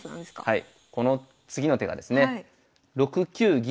はい。